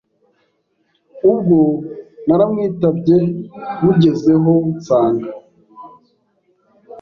Ubwo naramwitabye bugezeho nsanga